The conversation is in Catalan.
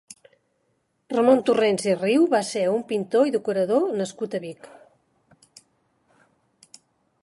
Ramon Torrents i Riu va ser un pintor i decorador nascut a Vic.